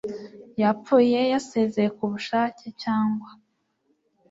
yapfuye yasezeye ku bushake cyangwa